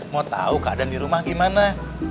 mau tahu keadaan di rumah gimana